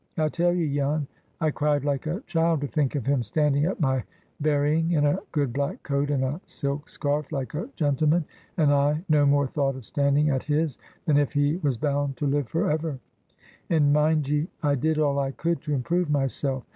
I tell ye, Jan, I cried like a child to think of him standing at my burying in a good black coat and a silk scarf like a gentleman, and I no more thought of standing at his than if he was bound to live for ever. And, mind ye, I did all I could to improve myself.